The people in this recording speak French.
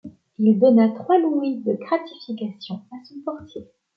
Il donna trois louis de gratification à son portier.